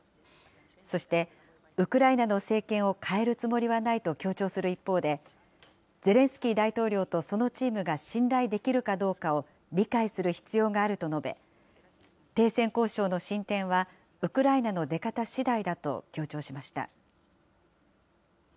そして、ウクライナの政権をかえるつもりはないと強調する一方で、ゼレンスキー大統領とそのチームが信頼できるかどうかを、理解する必要があると述べ、停戦交渉の進展は、ウクライナの出方しだいだと強調しました。